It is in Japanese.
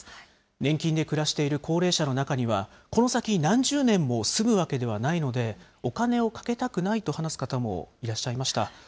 年金で暮らしている高齢者の中には、この先何十年も住むわけではないので、お金をかけたくないと話す方もいらっしゃいました。